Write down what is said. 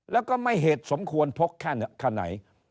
แล้วก็ไม่เหตุสมควรพกแค่ไหน